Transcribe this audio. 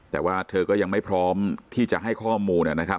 แต่ว่าเธอก็ยังไม่พร้อมที่จะให้ข้อมูลนะครับ